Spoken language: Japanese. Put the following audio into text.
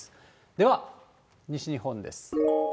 では西日本です。